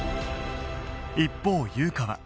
一方優香は